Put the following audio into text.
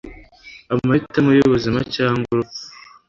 amahitamo y'ubuzima cyangwa urupfu